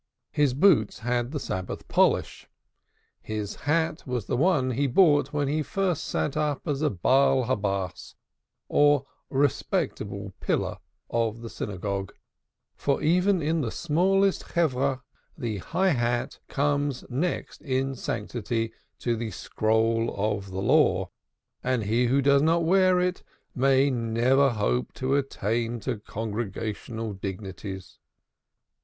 His boots had the Sabbath polish. The hat was the one he bought when he first set up as a Baal Habaas or respectable pillar of the synagogue; for even in the smallest Chevra the high hat comes next in sanctity to the Scroll of the Law, and he who does not wear it may never hope to attain to congregational dignities.